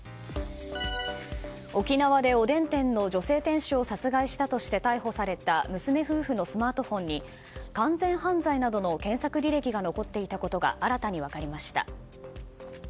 沖縄でおでん店の女性店主を殺害したとして逮捕された娘夫婦のスマートフォンに「完全犯罪」などの検索履歴が残っていたことが新たに分かりました。